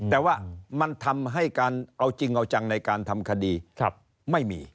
แต่ว่ามันทำให้การเอาจริงเอาจังในการทำคดีไม่มี